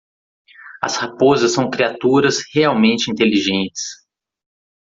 As raposas são criaturas realmente inteligentes.